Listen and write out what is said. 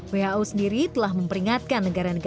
who sendiri telah memperingatkan negara negara